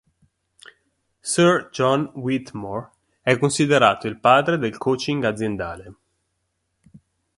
Sir John Whitmore è considerato il padre del Coaching aziendale.